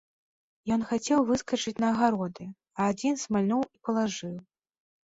Ён хацеў выскачыць на агароды, а адзін смальнуў і палажыў.